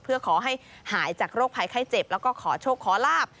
เพื่อขอให้หายจากโรคภัยไข้เจ็บแล้วก็ขอโชคขอลาบ